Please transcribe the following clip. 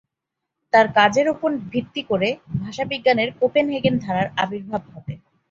তার কাজের ওপর ভিত্তি করে ভাষাবিজ্ঞানের কোপেনহেগেন ধারার আবির্ভাব ঘটে।